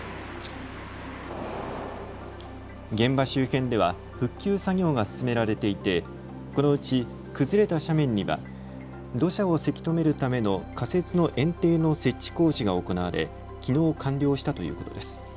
現場周辺では復旧作業が進められていてこのうち崩れた斜面には土砂をせき止めるための仮設のえん堤の設置工事が行われきのう完了したということです。